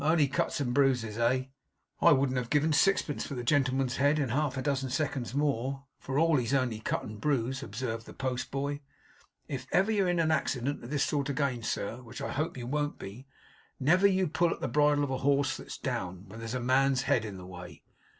Only cuts and bruises, eh?' 'I wouldn't have given sixpence for the gentleman's head in half a dozen seconds more, for all he's only cut and bruised,' observed the post boy. 'If ever you're in an accident of this sort again, sir; which I hope you won't be; never you pull at the bridle of a horse that's down, when there's a man's head in the way.